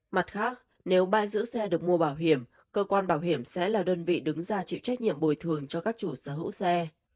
mặt khác nếu bãi giữ xe được mua bảo hiểm cơ quan bảo hiểm sẽ là đơn vị đứng ra chịu trách nhiệm bồi thường cho các chủ sở hữu xe